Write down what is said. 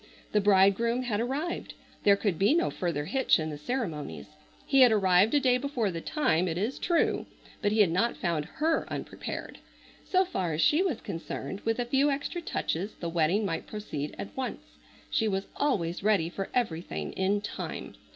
The bridegroom had arrived. There could be no further hitch in the ceremonies. He had arrived a day before the time, it is true; but he had not found her unprepared. So far as she was concerned, with a few extra touches the wedding might proceed at once. She was always ready for everything in time.